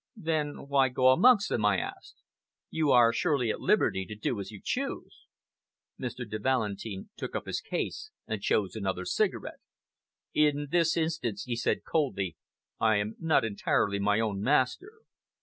"Then why go amongst them?" I asked. "You are surely at liberty to do as you choose!" Mr. de Valentin took up his case and chose another cigarette. "In this instance," he said coldly, "I am not entirely my own master.